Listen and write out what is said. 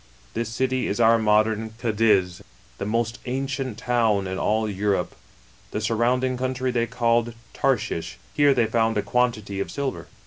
This city is our modern Cadiz, the most ancient town in all Europe. The surrounding country they called Tarshish. Here they found a quantity of silver.